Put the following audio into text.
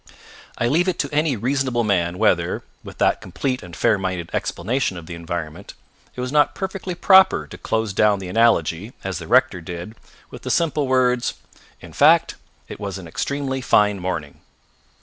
I leave it to any reasonable man whether, with that complete and fair minded explanation of the environment, it was not perfectly proper to close down the analogy, as the rector did, with the simple words: "In fact, it was an extremely fine morning."